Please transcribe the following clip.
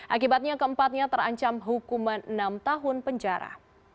akibatnya keempatnya terancam hukuman enam tahun penjara